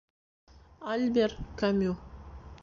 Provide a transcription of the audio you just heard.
Альбер Камю